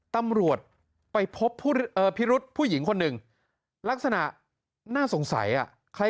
ตำรวจไปพบพิรุษผู้หญิงคนหนึ่งลักษณะน่าสงสัยอ่ะใคร